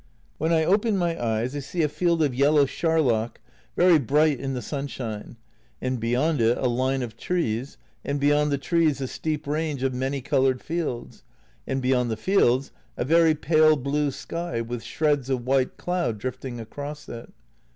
When I open my eyes I see a field of yellow char lock, very bright in the sunshine, and beyond it a line of trees, and beyond the trees a steep range of many coloured fields, and beyond the fields a very pale blue sky with shreds of white cloud drifting across it.